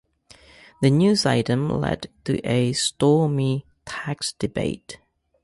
The news item led to a stormy tax debate.